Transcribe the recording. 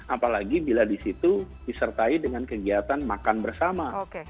apalagi bila di situ disertai dengan kegiatan makan bersama